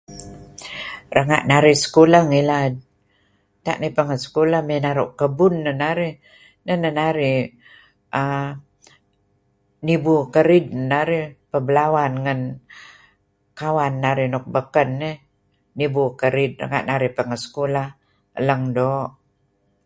Renga' narih sekulah ngilad tak narih pengeh sekulah mey naru' kebun neh narih, neh neh narih err nibu kerid neh narih peh belawan ngen kawan narih nuk beken eh nibu kerid renga' narih pengeh sukulah. Lang doo'.